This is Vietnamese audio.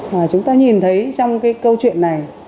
mà chúng ta nhìn thấy trong cái câu chuyện này